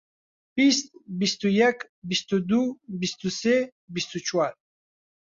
بیست، بیست و یەک، بیست و دوو، بیست و سێ، بیست و چوار.